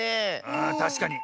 あたしかに。